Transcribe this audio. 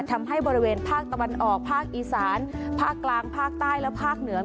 ทำให้บริเวณภาคตะวันออกภาคอีสานภาคกลางภาคใต้และภาคเหนือ